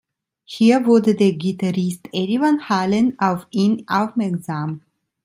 Hier wurde der Gitarrist Eddie Van Halen auf ihn aufmerksam.